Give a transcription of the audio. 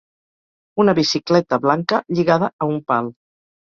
Una bicicleta blanca lligada a un pal